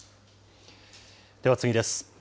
では次です。